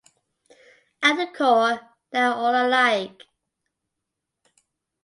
At the core, they are all alike.